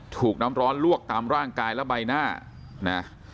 ถูกน้ำร้อนลวกตามร่างกายและใบหน้านะ